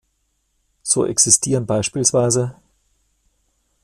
So existieren bspw.